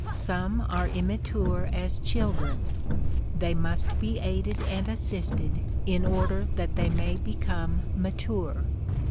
Some are immature as children; they must be aided and assisted in order that they may become mature.